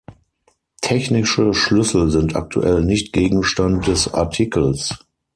Technische Schlüssel sind aktuell nicht Gegenstand des Artikels.